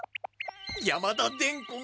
山田伝子が。